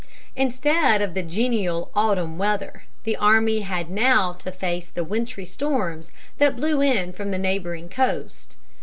Instead of the genial autumn weather, the army had now to face the wintry storms that blew in from the neighboring coast.